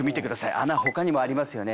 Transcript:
穴他にもありますよね？